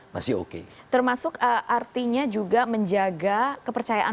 di sektor migas